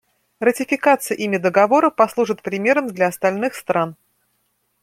Ратификация ими Договора послужит примером для остальных стран.